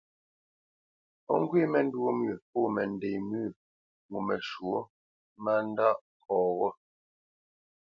O ŋgwé məntwô myə pô mənde myə́ ŋo məshwɔ̂ má ndá nkɔ́ ghô.